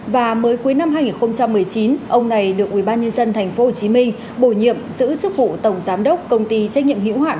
và mới cuối năm hai nghìn một mươi chín ông này được ubnd tp hcm bổ nhiệm giữ chức vụ tổng giám đốc công ty trách nhiệm hữu hạn